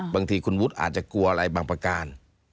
บางทีคุณวุฒิอาจจะกลัวอะไรบางประการ